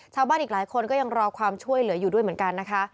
ชาวบ้านอีกหลายคนก็ยังรอความช่วยเหลืออยู่ด้วยเหมือนกันนะคะ